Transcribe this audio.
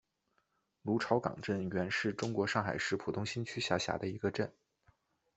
芦潮港镇原是中国上海市浦东新区下辖的一个镇。